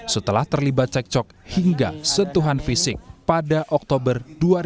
setelah terlibat cekcok hingga sentuhan fisik pada oktober dua ribu dua puluh